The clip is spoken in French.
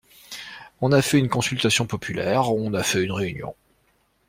On a fait une consultation populaire, on a fait une réunion.